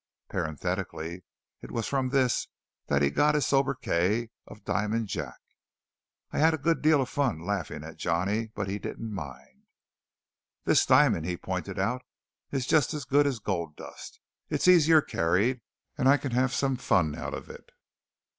Parenthetically, it was from this that he got his sobriquet of Diamond Jack. I had a good deal of fun laughing at Johnny, but he didn't mind. "This diamond," he pointed out, "is just as good as gold dust, it's easier carried, and I can have some fun out of it."